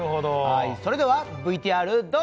それではＶＴＲどうぞ！